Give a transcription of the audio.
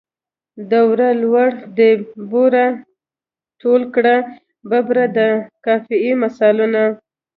دوړه، لوړ دي، بوره، ټول کړه، ببره د قافیې مثالونه.